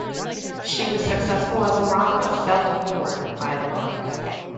She was successful as a model but felt bored by the work.